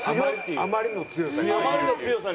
あまりの強さに。